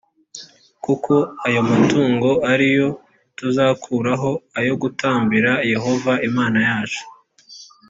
kuko ayo matungo ari yo tuzakuraho ayo gutambira yehova imana yacu